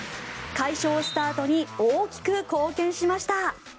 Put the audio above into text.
快勝スタートに大きく貢献しました。